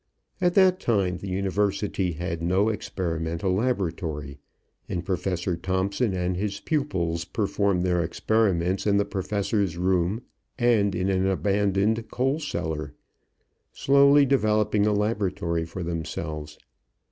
At that time the university had no experimental laboratory, and Professor Thomson and his pupils performed their experiments in the professor's room and in an abandoned coal cellar, slowly developing a laboratory for themselves.